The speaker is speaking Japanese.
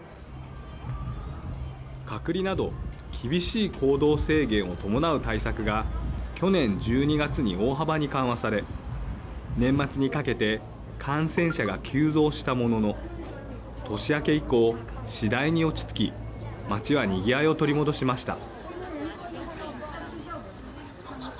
隔離など厳しい行動制限を伴う対策が去年１２月に大幅に緩和され年末にかけて感染者が急増したものの年明け以降、次第に落ち着き街はにぎわいを取り戻しました。